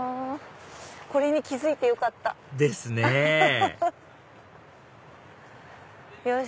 これに気付いてよかった！ですねよし！